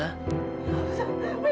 kau ke sini